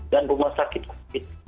dan rumah sakit covid